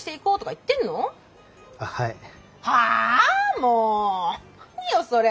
もう何よそれ。